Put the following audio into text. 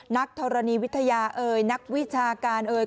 นักธรณีวิทยาเอ่ยนักวิชาการเอ่ย